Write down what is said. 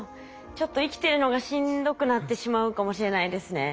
ちょっと生きてるのがしんどくなってしまうかもしれないですね。